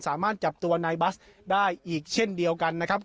สามารถจับตัวนายบัสได้อีกเช่นเดียวกันนะครับ